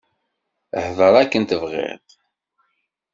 Hder akken tebɣiḍ.